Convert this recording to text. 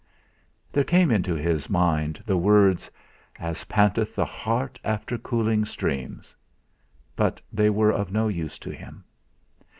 There came into his mind the words: 'As panteth the hart after cooling streams' but they were of no use to him.